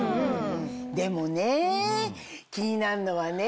でもね気になるのはね。